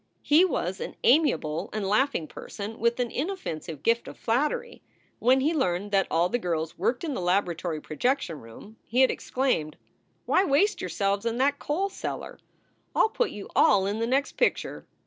He was an amiable and laughing person with an inoffensive gift of flattery. When he learned that all the girls worked in the laboratory projection room, he had exclaimed: "Why waste yourselves in that coal cellar? I ll put you all in the next picture."